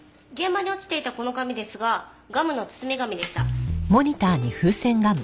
現場に落ちていたこの紙ですがガムの包み紙でした。